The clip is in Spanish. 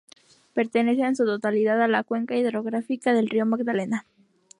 Pertenece en su totalidad a la cuenca hidrográfica del río Magdalena.